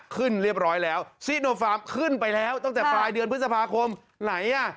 อพี่โนฟาร์มขึ้นไปแล้วตั้งแต่ฟลายเดือนพฤษภาคมไหนอ่ะ